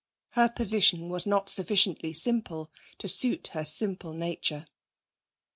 Her position was not sufficiently simple to suit her simple nature.